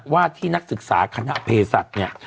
ว่าที่นักศึกษาคณะเพศัตริย์เนี่ย